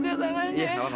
ini dua malam ke